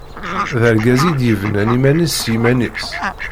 D argaz i d-yebnan iman-is s yiman-is.